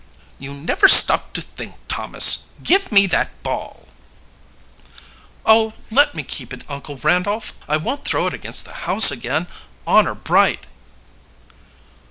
"You never stop to think, Thomas. Give me that ball." "Oh, let me keep it, Uncle Randolph! I won't throw it against the house again, honor bright."